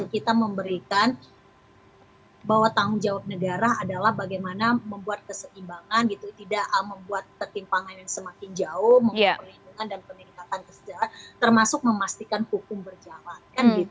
kita memberikan bahwa tanggung jawab negara adalah bagaimana membuat keseimbangan tidak membuat ketimpangan yang semakin jauh membuat perlindungan dan peningkatan kesejarah termasuk memastikan hukum berjalan